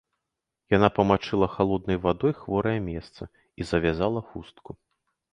Яна памачыла халоднай вадой хворае месца і завязала хустку.